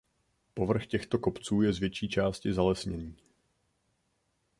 Povrch těchto kopců je z větší části zalesněný.